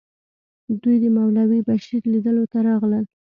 دوی د مولوي بشیر لیدلو ته راغلل.